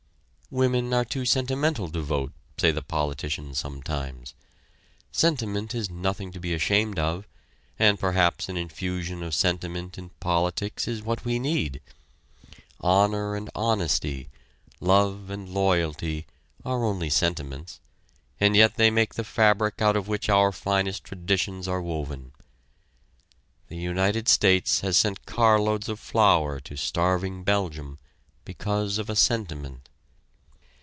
Women are too sentimental to vote, say the politicians sometimes. Sentiment is nothing to be ashamed of, and perhaps an infusion of sentiment in politics is what we need. Honor and honesty, love and loyalty, are only sentiments, and yet they make the fabric out of which our finest traditions are woven. The United States has sent carloads of flour to starving Belgium because of a sentiment.